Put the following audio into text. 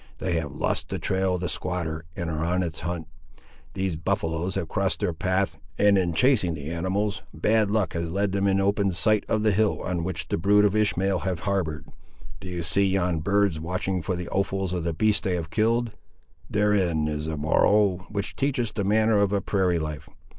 "They have lost the trail of the squatter, and are on its hunt. These buffaloes have crossed their path, and in chasing the animals, bad luck has led them in open sight of the hill on which the brood of Ishmael have harboured. Do you see yon birds watching for the offals of the beast they have killed? Therein is a moral, which teaches the manner of a prairie life.